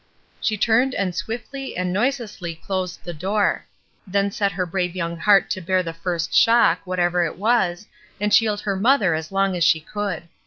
She turned and swiftly and noiselessly closed the door; then set her brave young heart to bear the first shock, whatever it was, and shield her mother as long as she could.